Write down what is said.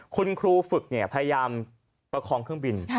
คุณครูฝึกพยายามประคองเครื่องบิน